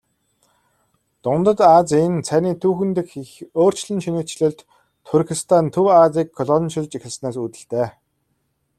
Дундад Азийн цайны түүхэн дэх их өөрчлөн шинэчлэлт Туркестан Төв Азийг колоничилж эхэлснээс үүдэлтэй.